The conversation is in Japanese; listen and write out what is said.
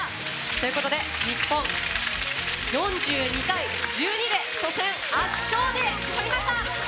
ということで日本、４２対１２で初戦、圧勝で取りました！